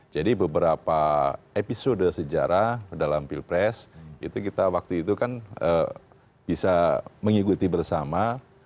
jadi beberapa episode sejarah dalam pilpres itu kita waktu itu kan bisa mengikuti bersama